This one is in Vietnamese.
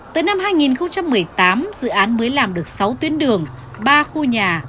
tới năm hai nghìn một mươi tám dự án mới làm được sáu tuyến đường ba khu nhà